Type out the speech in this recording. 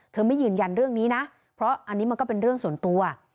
ไม่ยืนยันเรื่องนี้นะเพราะอันนี้มันก็เป็นเรื่องส่วนตัว